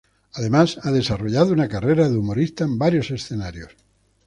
Además ha desarrollado una carrera de humorista en varios escenarios.